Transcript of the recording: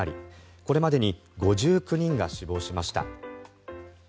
これまでに５９人が死亡しました。